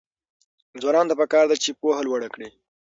ځوانانو ته پکار ده چې، پوهه لوړه کړي.